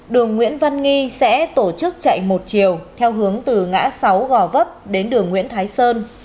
đường nguyễn văn nghi sẽ tổ chức chạy một chiều theo hướng từ ngã sáu gò vấp đến đường nguyễn thái sơn